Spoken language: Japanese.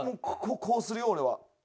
こうするよ俺は。